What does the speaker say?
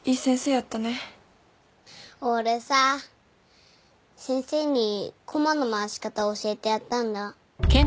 俺さ先生にコマの回し方教えてやったんだ。